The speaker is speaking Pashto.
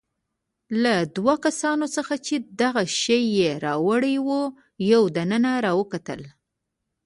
له دوو کسانو څخه چې دغه شی يې راوړی وو، یو دننه راوکتل.